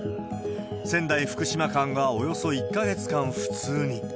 仙台・福島間がおよそ１か月間不通に。